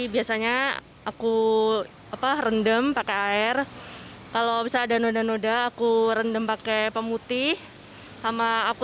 biasanya aku apa rendem pakai air kalau bisa dan udah udah aku rendam pakai pemutih sama aku